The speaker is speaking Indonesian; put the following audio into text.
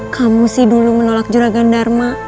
kamu sih dulu menolak juragan dharma